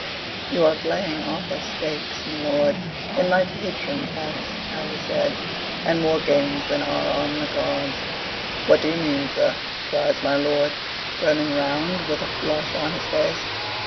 "You are playing awful stakes, my lord, in my patron's house," Harry said, "and more games than are on the cards." "What do you mean, sir?" cries my lord, turning round, with a flush on his face.